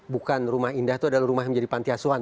bukan rumah indah itu adalah rumah yang menjadi pantiasuhan